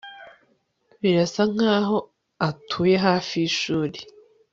birasa nkaho atuye hafi yishuri